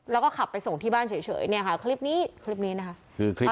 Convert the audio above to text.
แล้วก็ขับไปส่งที่บ้านเฉยคลิปนี้คลิปนี้นะคะ